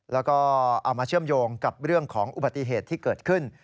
แล้วก็เอามาเชื่อมโยงกับเรื่องของอุบัติเหตุที่เกิดขึ้น